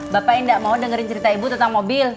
bapak ini tidak mau dengerin cerita ibu tentang mobil